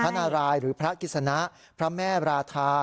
นารายหรือพระกิจสนะพระแม่ราธา